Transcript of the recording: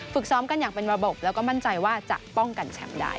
ซ้อมกันอย่างเป็นระบบแล้วก็มั่นใจว่าจะป้องกันแชมป์ได้